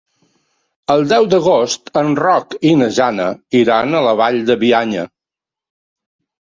El deu d'agost en Roc i na Jana iran a la Vall de Bianya.